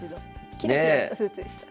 キラキラしたスーツでしたね。